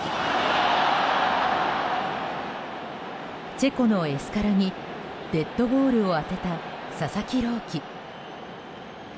チェコのエスカラにデッドボールを当てた佐々木朗希。